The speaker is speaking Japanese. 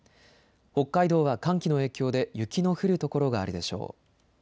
北海道は寒気の影響で雪の降る所があるでしょう。